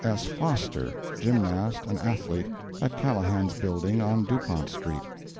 S. Foster, gymnast and athlete, at Callahan's building, on Dupont street.